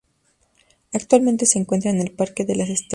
Actualmente se encuentra en el Parque de las Estelas.